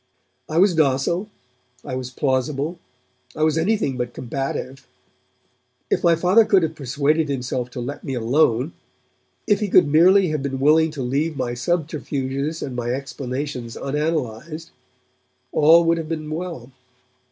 I was docile, I was plausible, I was anything but combative; if my Father could have persuaded himself to let me alone, if he could merely have been willing to leave my subterfuges and my explanations unanalysed, all would have been well.